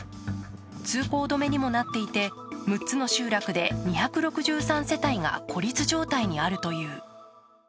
通行止めにもなっていて６つの集落で２６３世帯が孤立状態にあるという。